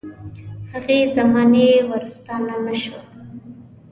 هغې زمانې ورستانه نه شو.